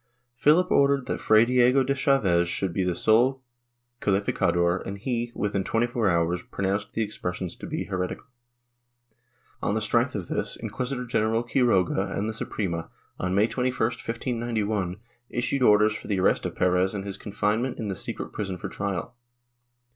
Philip ordered that Fray Diego de Chaves should be the sole calificador and he, within twenty four hours, pronounced the expressions to be heretical. On the strength of this. Inquisitor general Quiroga and the Suprema, on May 21, 1591, issued orders for the arrest of Perez and his confinement in the secret prison for trial.